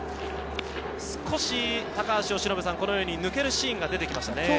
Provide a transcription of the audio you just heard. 少し抜けるシーンが出てきましたね。